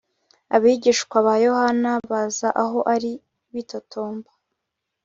Abigishwa ba Yohana baza aho ari bitotomba